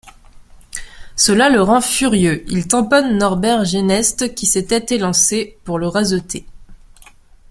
Cela le rend furieux, il tamponne Norbert Geneste qui s'était élancé pour le raseter.